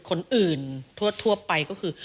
คนอื่นทั่วไปก็คือ